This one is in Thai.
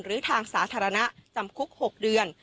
หรือทางสาธารณะจำคุก๖เดือน